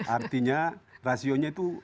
artinya rasionya itu